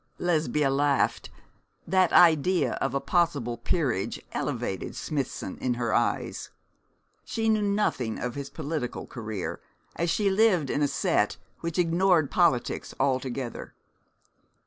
Lesbia laughed. That idea of a possible peerage elevated Smithson in her eyes. She knew nothing of his political career, as she lived in a set which ignored politics altogether.